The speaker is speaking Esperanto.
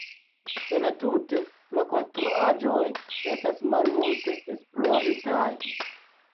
Entute la konstruaĵoj estas malmulte esploritaj.